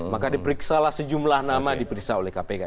maka diperiksalah sejumlah nama diperiksa oleh kpk